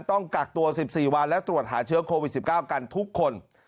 ต้องกักตัวสิบสี่วันและตรวจหาเชื้อโควิดสิบเก้ากันทุกคน